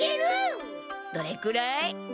どれくらい？